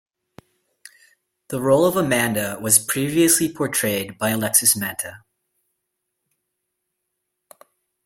The role of Amanda was previously portrayed by Alexis Manta.